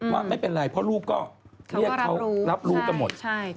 ว่าไม่เป็นไรเพราะลูกก็เรียกเขารับรู้กันหมด